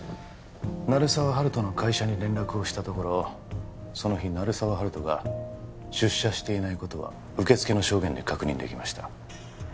鳴沢温人の会社に連絡をしたところその日鳴沢温人が出社していないことは受付の証言で確認できました